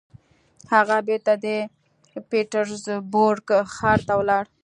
هغه بېرته د پيټرزبورګ ښار ته ولاړ.